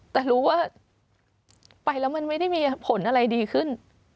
แต่รู้ว่าไปแล้วมันไม่ได้มีผลอะไรดีขึ้น